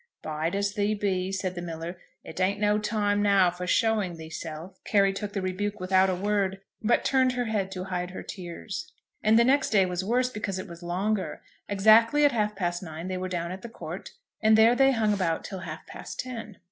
"Bide as thee be," said the miller; "it ain't no time now for showing theeself." Carry took the rebuke without a word, but turned her head to hide her tears. And the next day was worse, because it was longer. Exactly at half past nine they were down at the court; and there they hung about till half past ten.